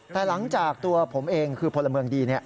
แต่หลังจากตัวผมเองคือพลเมืองดี